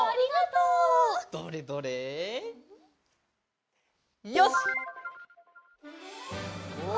うわ！